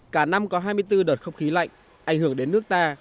cả năm có hai mươi bốn đợt không khí lạnh ảnh hưởng đến nước ta